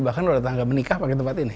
bahkan luar tetangga menikah pakai tempat ini